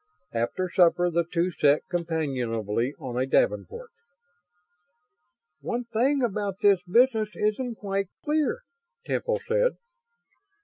After supper the two sat companionably on a davenport. "One thing about this business isn't quite clear," Temple said.